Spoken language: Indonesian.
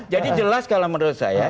jadi jelas kalau menurut saya